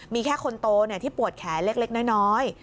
มีแค่คนโตที่ปวดแขนเล็กน้อย